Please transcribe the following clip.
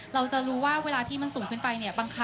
เราจะรู้ว่าเวลาที่มันสูงขึ้นไป